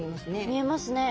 見えますね。